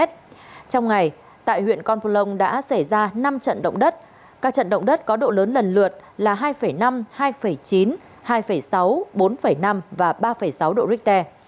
trong ngày tại huyện con plong đã xảy ra năm trận động đất các trận động đất có độ lớn lần lượt là hai năm hai chín hai sáu bốn năm và ba sáu độ richter